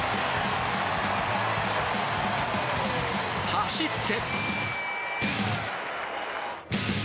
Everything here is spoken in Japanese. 走って。